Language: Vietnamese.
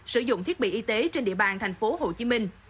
sử dụng thiết bị y tế trên địa bàn tp hcm